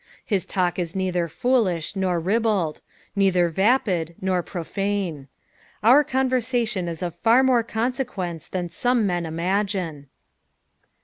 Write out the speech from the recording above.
His talk is neither foolish nor ribald, neither vapid nor profane. Our conversation is of far more consequence than some men imagine.